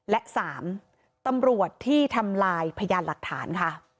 และ๓ตำรวจที่ทำลายพยานหลักฐานค่ะ